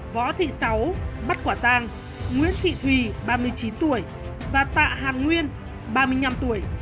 võ thị sáu bắt quả tang nguyễn thị thùy ba mươi chín tuổi và tạ hàn nguyên ba mươi năm tuổi